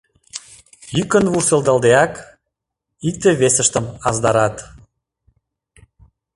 Йӱкын вурседалдеак икте-весыштым аздарат.